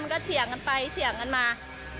ก็เถียงกันไปเฉียงกันมา